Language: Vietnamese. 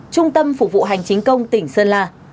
trung tâm phục vụ hành chính công tỉnh sơn la